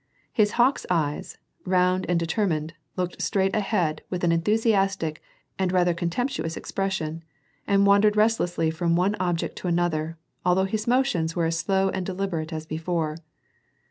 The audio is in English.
His hawk's eyes, round and determined, looked straight ahead with an enthusiastic and rather contemptuous expression, and wandered restlessly from one object to another, although his motions were as slow and deliberate as before.